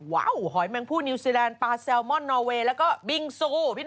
ว้าวหอยแมงผู้นิวซีแลนด์ปลาแซลมอนนอเวย์แล้วก็บิงซู